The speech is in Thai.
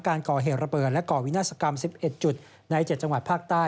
การก่อเหตุระเบิดและก่อวินาศกรรม๑๑จุดใน๗จังหวัดภาคใต้